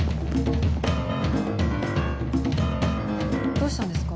どうしたんですか？